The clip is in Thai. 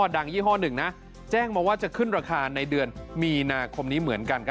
ยี่ห้อหนึ่งนะแจ้งมาว่าจะขึ้นราคาในเดือนมีนาคมนี้เหมือนกัน